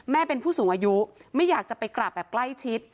เป็นผู้สูงอายุไม่อยากจะไปกราบแบบใกล้ชิด